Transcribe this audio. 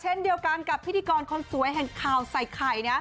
เช่นเดียวกันกับพิธีกรคนสวยแห่งข่าวใส่ไข่นะ